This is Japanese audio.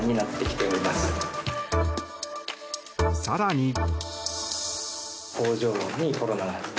更に。